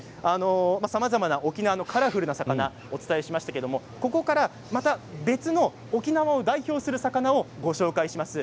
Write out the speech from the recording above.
沖縄のカラフルな魚をお伝えしましたがここからまた別の沖縄を代表する魚をご紹介します。